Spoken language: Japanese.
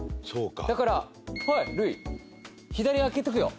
だから、はい塁、左空けとくよ。